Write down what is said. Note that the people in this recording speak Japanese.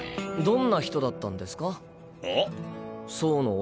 ん？